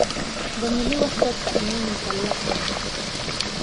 د ملي وحدت تأمین مکلف دی.